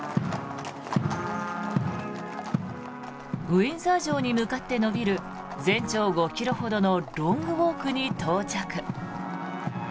ウィンザー城に向かって延びる全長５ｋｍほどのロングウォークに到着。